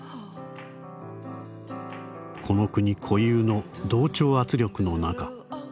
「この国固有の同調圧力の中。